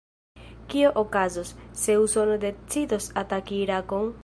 Kio okazos, se Usono decidos ataki Irakon?